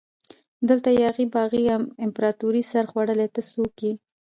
دلته یاغي باغي امپراتوري سرخوړلي ته څوک يي؟